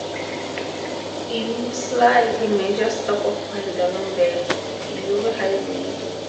Eucla is a major stop-off point along the Eyre Highway.